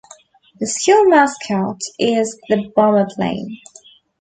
The School mascot is The Bomber Plane.